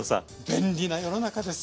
便利な世の中です。